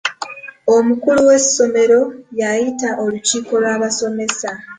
Omukulu w'essomero yayita olukiiko lw'abasomesa.